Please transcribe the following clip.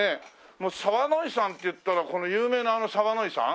もう澤乃井さんっていったら有名なあの澤乃井さん？